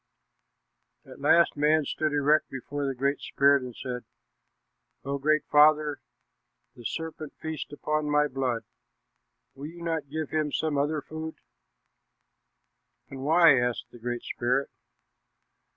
At last man stood erect before the Great Spirit and said, "O Great Father, the serpent feasts upon my blood. Will you not give him some other food?" "And why?" asked the Great Spirit.